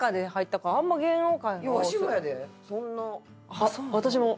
あっ私も。